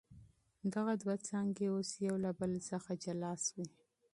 دغه دوه څانګي اوس يو له بل څخه جلا سوې.